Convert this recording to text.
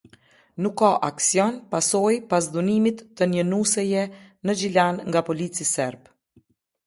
Nuk ka aksion pasoi pas dhunimit të një nuseje në Gjilan nga polici serb.